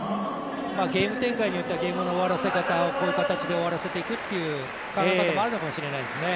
ゲーム展開によってはゲームをこういう形で終わらせていくという考え方もあるのかもしれません。